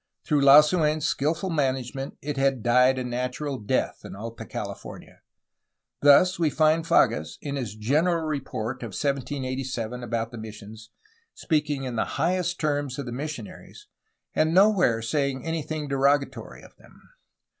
Through Lasuen's skilful management it had died a natural death in Alta Cahfornia. Thus we find Fages, in his general report of 1787 about the missions, speaking in the highest terms of the missionaries, and nowhere saying anything derogatory of them.